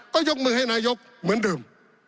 ก็ยกมือให้นายกเหมือนเดิม